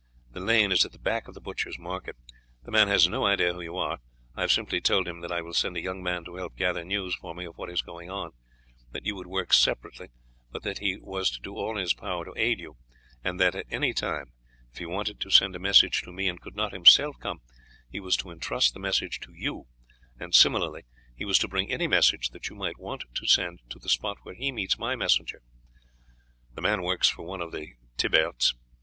The lane is at the back of the butchers' market. The man has no idea who you are. I have simply told him that I will send a young man to help gather news for me of what is going on, that you would work separately, but that he was to do all in his power to aid you, and that at any time if he wanted to send a message to me and could not himself come, he was to intrust it to you, and similarly he was to bring any message that you might want to send to the spot where he meets my messenger. The man works for one of the Thiberts.